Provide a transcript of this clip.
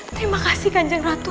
terima kasih kanjeng ratu